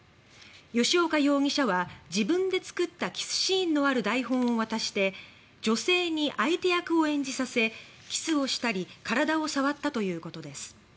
吉岡容疑者は自分で作ったキスシーンのある台本を渡して女性に相手役を演じさせキスをしたり体を触ったということです。